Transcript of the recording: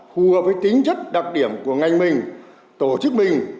phù hợp với tính chất đặc điểm của ngành mình tổ chức mình